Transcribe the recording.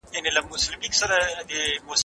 زياتې اوبه وڅښه